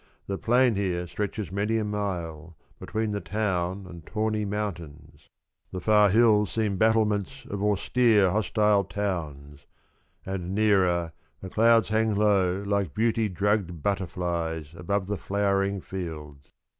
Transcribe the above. — The plain here stretches many a mile Between the town and tawny mountains ; 47 Soliloquy mid Speech. The far hills seem battlements Of austere hostile towns — and nearer The clouds hang low like beauty drugged butterflies Above the flowering fields.